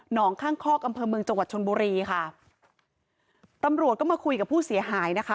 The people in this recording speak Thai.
งข้างคอกอำเภอเมืองจังหวัดชนบุรีค่ะตำรวจก็มาคุยกับผู้เสียหายนะคะ